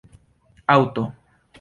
aŭto